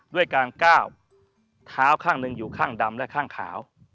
ด้วยการก้าวเท้าข้างหนึ่งอยู่ข้างดำและข้างขาว